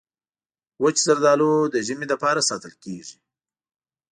وچ زردالو د ژمي لپاره ساتل کېږي.